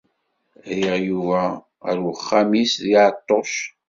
Rriɣ Yuba ar uxxam-is deg Ɛeṭṭuc.